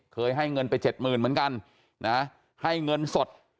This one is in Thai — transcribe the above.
ให้เงินไปเจ็ดหมื่นเหมือนกันนะให้เงินสด